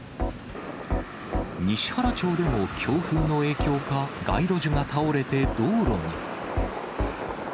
西原町でも強風の影響か、街路樹が倒れて道路に。